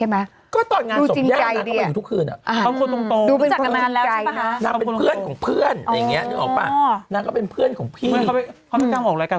มันสนิทกับฉัน